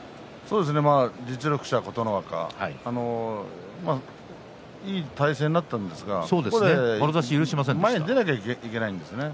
実力者琴ノ若いい体勢にはなりましたが前に出なきゃいけないんですね。